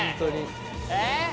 え？